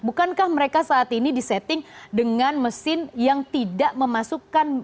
bukankah mereka saat ini disetting dengan mesin yang tidak memasukkan